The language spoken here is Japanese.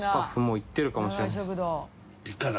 行ってるかもしれないな。